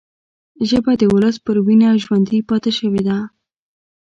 ژبه د ولس پر وینه ژوندي پاتې شوې ده